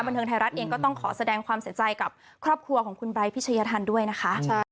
บันเทิงไทยรัฐเองก็ต้องขอแสดงความเสียใจกับครอบครัวของคุณไร้พิชยธรรมด้วยนะคะ